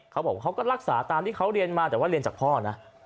เขาก็รักษาตามที่เขาเรียนมาแต่ว่าเรียนจากพ่อนะ